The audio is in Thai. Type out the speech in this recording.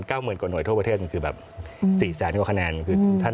๙๐กว่าหน่วยทั่วประเทศมันคือแบบ๔๐๐กว่าคะแนน